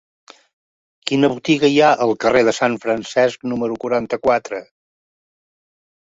Quina botiga hi ha al carrer de Sant Francesc número quaranta-quatre?